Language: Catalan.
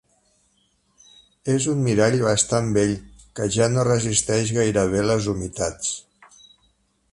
És un mirall bastant vell, que ja no resisteix gaire bé les humitats.